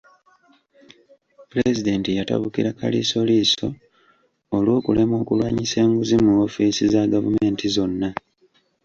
Pulezidenti yatabukira Kaliisoliiso olw’okulemwa okulwanyisa enguzi mu woofiisi za gavumenti zonna.